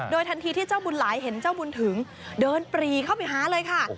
ทันทีที่เจ้าบุญหลายเห็นเจ้าบุญถึงเดินปรีเข้าไปหาเลยค่ะ